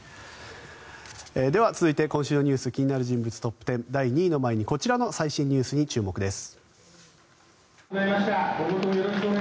では続いて今週のニュース気になる人物トップ１０第２位の前にこちらの最新ニュースに注目です。